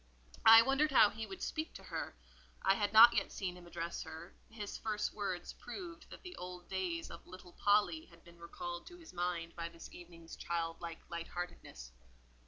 I wondered how he would speak to her; I had not yet seen him address her; his first words proved that the old days of "little Polly" had been recalled to his mind by this evening's child like light heartedness.